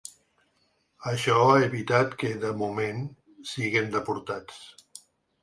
Això ha evitat que, de moment, siguen deportats.